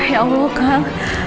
ya allah kang